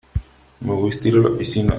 Me gusta ir a la piscina.